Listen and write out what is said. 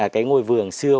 cái ngôi vườn xưa